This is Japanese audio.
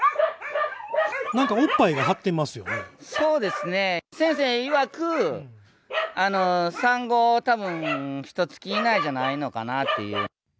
なんかおっぱいが張ってますそうですね、先生いわく、産後たぶんひとつき以内じゃないのかなっていう。